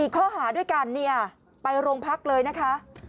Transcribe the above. ข้อหาด้วยกันเนี่ยไปโรงพักเลยนะคะ